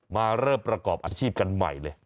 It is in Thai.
มาเริ่มประกอบอาชีพกันใหม่เลย